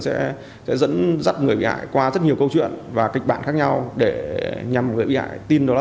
sẽ dẫn dắt người bị hại qua rất nhiều câu chuyện và kịch bản khác nhau để nhằm bị hại tin đó